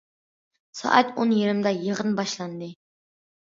سائەت ئون يېرىمدا يىغىن باشلاندى.